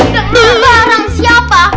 dengan barang siapa